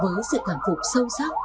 với sự cảm phục sâu sắc